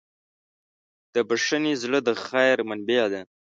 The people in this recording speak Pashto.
د بښنې زړه د خیر منبع ده.